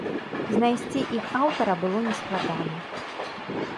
Знайсці іх аўтара было нескладана.